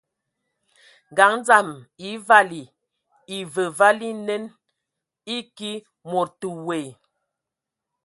Ngaɲ dzam e vali evǝvali nen, eki mod te woe,